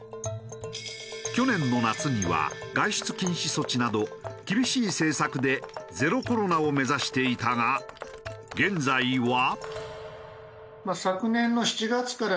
去年の夏には外出禁止措置など厳しい政策でゼロコロナを目指していたが現在は。